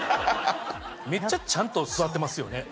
めっちゃちゃんと座ってますよね。